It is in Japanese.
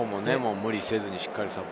無理せず、しっかりサポ